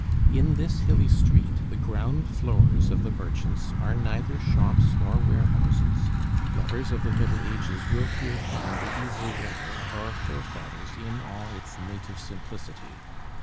In this hilly street the ground floors of the merchants are neither shops nor warehouses; lovers of the Middle Ages will here find the ouvrouere of our forefathers in all its naive simplicity.